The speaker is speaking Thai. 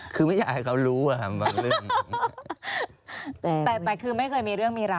คือไม่อยากให้เค้ารู้อะว่ามันเป็นเรื่อง